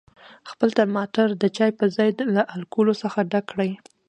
خپل ترمامتر د چای په ځای له الکولو څخه ډک کړئ.